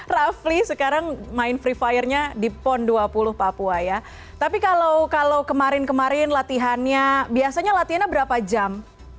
rafli sekarang main free fire nya di pon dua puluh papua ya tapi kalau kemarin kemarin latihannya biasanya latihannya berapa jam